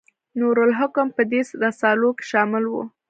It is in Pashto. نور الحکم په دې رسالو کې شامل و.